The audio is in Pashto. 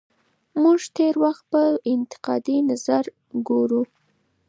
موږ تېر وخت ته په انتقادي نظر ګورو.